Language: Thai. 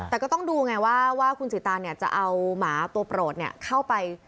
แต่ก็ต้องดูไงว่าคุณสิตางจะเอาหมาตัวโปรดเข้าไป